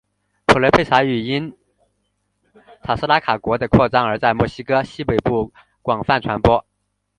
普雷佩查语因塔拉斯卡国的扩张而在墨西哥西北部广泛传播。